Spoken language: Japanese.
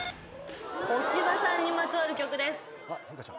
小芝さんにまつわる曲です。